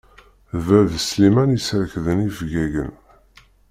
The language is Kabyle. D bab Sliman i yesserkden ifeggagen.